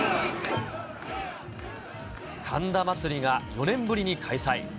神田祭が４年ぶりに開催。